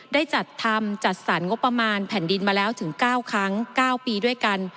ได้จัดทำจัดสรรงบประมาณแผ่นดินมาแล้วถึง๙ครั้ง๙ปีด้วยกัน